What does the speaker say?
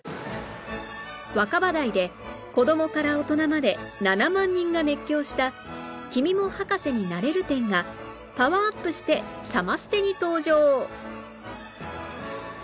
若葉台で子供から大人まで７万人が熱狂した君も博士になれる展がパワーアップしてサマステに登場！